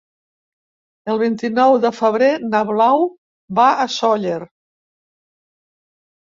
El vint-i-nou de febrer na Blau va a Sóller.